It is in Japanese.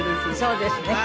そうですね。